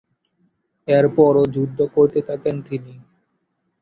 এর পরও যুদ্ধ করতে থাকেন তিনি।